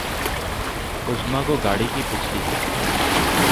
اعظمی کو گاڑی کی پچھلی